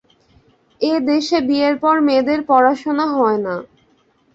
এ দেশে বিয়ের পর মেয়েদের পড়াশোনা হয় না।